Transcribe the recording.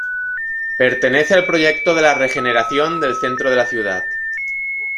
Pertenece al proyecto de la regeneración del centro de la ciudad.